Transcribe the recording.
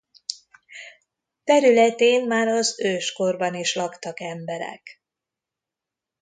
Területén már az őskorban is laktak emberek.